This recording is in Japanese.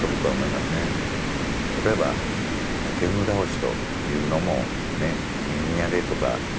例えば天狗倒しというのもねニューギニアでとか